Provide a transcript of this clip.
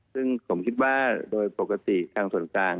ซึ่งผมคิดว่าโดยปกติทางส่วนกลาง